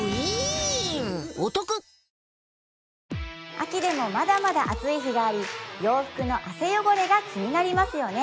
秋でもまだまだ暑い日があり洋服の汗汚れが気になりますよね